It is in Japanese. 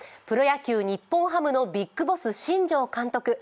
プロ野球・日本ハムのビッグボス・新庄監督。